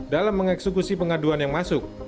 dalam mengeksekusi pengaduan yang masuk